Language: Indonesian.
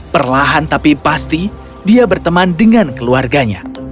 perlahan tapi pasti dia berteman dengan keluarganya